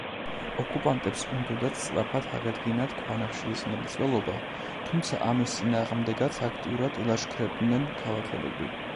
ოკუპანტებს უნდოდათ სწრაფად აღედგინათ ქვანახშირის მრეწველობა, თუმცა ამის წინააღმდეგაც აქტიურად ილაშქრებდნენ ქალაქელები.